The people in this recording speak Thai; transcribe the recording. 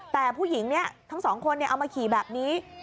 แต่ผู้หญิงเนี่ยทั้งสองคนเอามาขี่แบบนี้